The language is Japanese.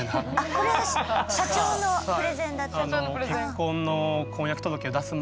これは社長のプレゼンだったんだ。